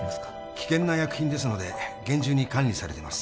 危険な薬品ですので厳重に管理されてます